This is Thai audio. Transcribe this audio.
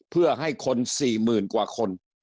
เพื่อให้คน๔๐๐๐กว่าคน